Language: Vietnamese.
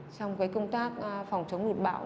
trong cái công tác phòng chống lụt báo